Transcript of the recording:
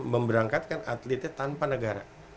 memberangkatkan atletnya tanpa negara